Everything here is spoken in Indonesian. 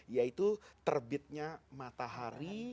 yaitu terbitnya matahari